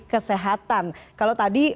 kesehatan kalau tadi